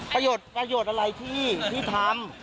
ประโยชน์ประโยชน์อะไรที่ที่ทำ